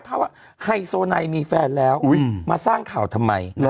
ถ้าว่าไฮโซไนมีแฟนแล้วมาสร้างข่าวทำไม